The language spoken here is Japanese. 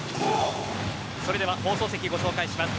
それでは放送席、ご紹介します。